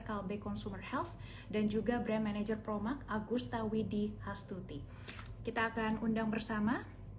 kalbe consumer health dan juga brand manager promak agusta widihastuti kita akan undang bersama